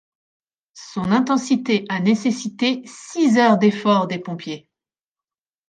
Son intensité a nécessité six heures d'efforts des pompiers.